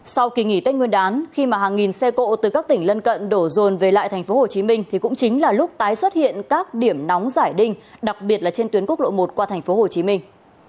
sau kỳ nghỉ tết nguyên đán khi mà hàng nghìn xe cộ từ các tỉnh lân cận đổ dồn về lại thành phố hồ chí minh thì cũng chính là lúc tái xuất hiện các điểm nóng giải đinh đặc biệt là trên tuyến quốc lộ một qua thành phố hồ chí minh